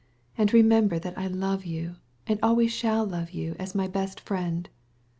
And remember that I love you, and shall always love you as my dearest friend!"